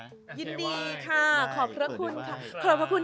ยินดีค่ะขอบพระคุณค่ะ